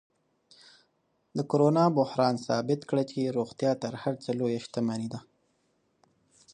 د کرونا بحران ثابت کړه چې روغتیا تر هر څه لویه شتمني ده.